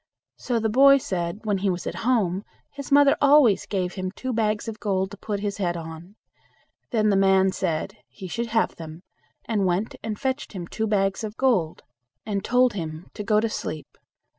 So the boy said, when he was at home his mother always gave him two bags of gold to put his head on. Then the man said, he should have them, and went and fetched him two bags of gold, and told him to go to sleep.